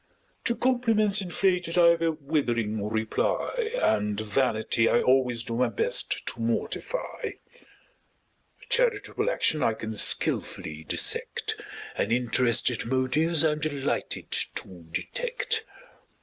To compliments inflated I've a withering reply; And vanity I always do my best to mortify; A charitable action I can skilfully dissect: And interested motives I'm delighted to detect.